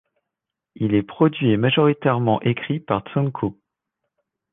Il est produit et majoritairement écrit par Tsunku.